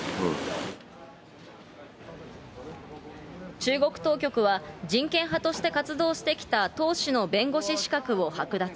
中国当局は、人権派として活動してきた、唐氏の弁護士資格を剥奪。